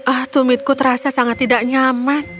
ah tumitku terasa sangat tidak nyaman